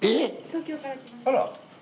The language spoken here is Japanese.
東京から来ました。